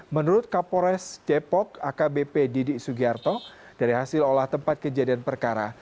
menurut kapolres depok akbp didi sugiarto dari hasil olah tempat kejadian perkara